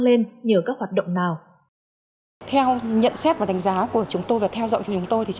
lên nhờ các hoạt động nào theo nhận xét và đánh giá của chúng tôi và theo dõi của chúng tôi thì